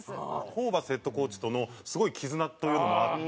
ホーバスヘッドコーチとのすごい絆というのもあって。